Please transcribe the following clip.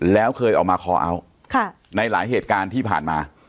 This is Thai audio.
แล้วเคยออกมาคอเอาท์ในหลายเหตุการณ์ที่ผ่านมา